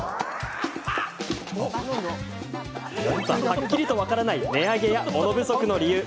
はっきりと分からない値上げや物不足の理由。